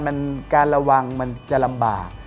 มันการระวังมันจะลำบาก